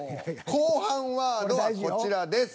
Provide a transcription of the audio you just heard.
後半ワードはこちらです。